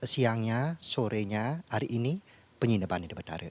siangnya sorenya hari ini penyineban hidup betara